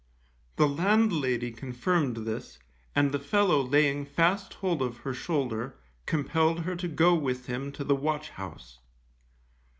The landlady confirmed this, and the fellow laying fast hold of her shoulder, compelled her to go with him to the watch house.